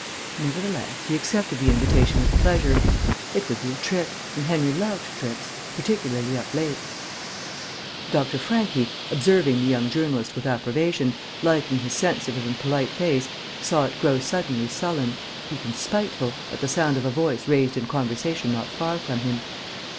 Nevertheless, he accepted the invitation with pleasure. It would be a trip, and Henry loved trips, particularly up lakes. Dr. Franchi, observing the young journalist with approbation, liking his sensitive and polite face, saw it grow suddenly sullen, even spiteful, at the sound of a voice raised in conversation not far from him.